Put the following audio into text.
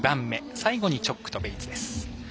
最後にチョックとベイツです。